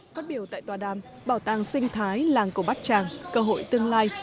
các biểu tại tòa đàm bảo tàng sinh thái làng của bát tràng cơ hội tương lai